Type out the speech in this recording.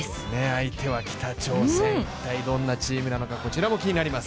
相手は北朝鮮、一体どんなチームなのかこちらも気になります。